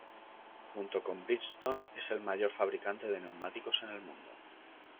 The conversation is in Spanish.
Junto con Bridgestone es el mayor fabricante de neumáticos en el mundo.